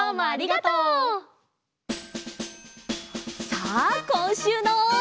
さあこんしゅうの。